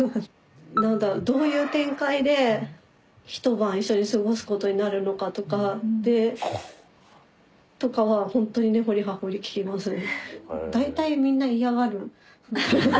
何かどういう展開で１晩一緒に過ごすことになるのかとか。とかはほんとに根掘り葉掘り聞きますね。